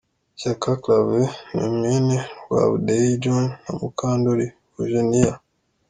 Shyaka Claver ni mwene Rwabudeyi John na Mukandori Bujeniya.